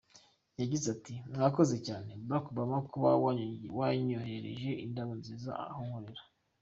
Yagize ati :”Wakoze cyane Barack Obama kuba wanyoherereje indabo nziza aho nkorera.